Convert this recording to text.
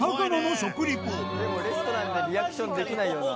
でもレストランでリアクションできないよな。